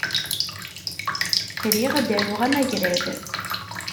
Riɣ ad d-aruɣ amagrad.